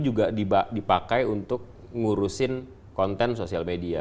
juga dipakai untuk ngurusin konten sosial media